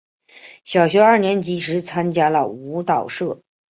小学二年级时参加了舞蹈社。